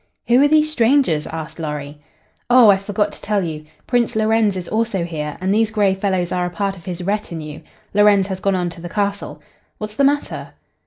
"Who are these strangers?" asked Lorry. "Oh, I forgot to tell you. Prince Lorenz is also here, and these gray fellows are a part of his retinue. Lorenz has gone on to the castle. What's the matter?"